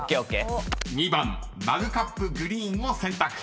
［２番マグカップグリーンを選択］